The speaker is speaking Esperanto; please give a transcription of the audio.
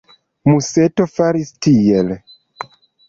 Museto faris tiele.